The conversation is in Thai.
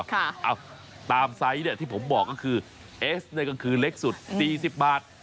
เอาตามไซส์เนี่ยที่ผมบอกก็คือเอสเนี่ยก็คือเล็กสุด๔๐บาท